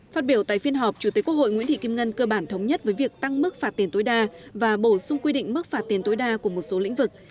phát biểu tại phiên họp chủ tịch quốc hội nguyễn thị kim ngân cơ bản thống nhất với việc tăng mức phạt tiền tối đa và bổ sung quy định mức phạt tiền tối đa của một số lĩnh vực